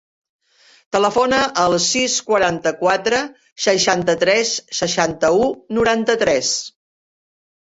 Telefona al sis, quaranta-quatre, seixanta-tres, seixanta-u, noranta-tres.